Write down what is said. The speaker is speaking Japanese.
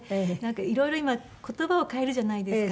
色々今言葉を変えるじゃないですか。